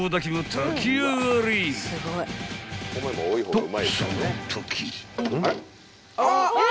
［とそのとき］